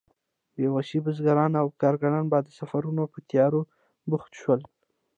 بې وسه بزګران او کارګران به د سفرونو په تيارو بوخت شول.